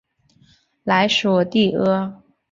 莱索蒂厄。